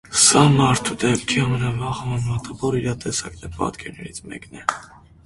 Սա մարդու դեմքի ամենավաղ համեմատաբար իրատեսական պատկերներից մեկն է։